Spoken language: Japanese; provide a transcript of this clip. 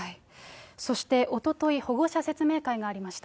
そしておととい、保護者説明会がありました。